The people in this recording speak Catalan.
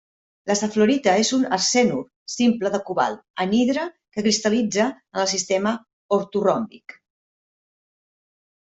La safflorita és un arsenur simple de cobalt, anhidre, que cristal·litza en el sistema ortoròmbic.